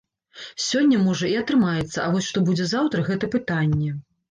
Сёння, можа, і атрымаецца, а вось што будзе заўтра, гэта пытанне.